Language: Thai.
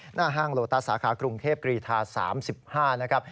หน้าห้างโลตะสาขากรุงเทพฯกรีทา๓๕